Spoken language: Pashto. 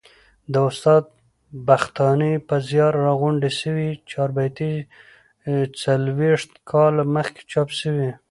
د استاد بختاني په زیار راغونډي سوې چاربیتې څلوبښت کال مخکي چاپ سوې.